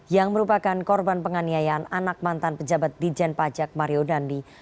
yang merupakan korban penganiayaan anak mantan pejabat di jen pajak mario dandi